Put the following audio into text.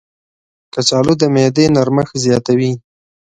کچالو د معدې نرمښت زیاتوي.